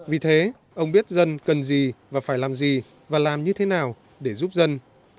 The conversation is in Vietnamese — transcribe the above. vì thế ông biết dân cần gì và phải làm gì và làm như thế nào để giúp dân